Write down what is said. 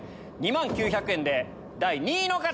２万９００円で第２位の方！